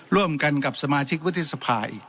ร่วมกันกับสมาชิกวุฒิสภาอีก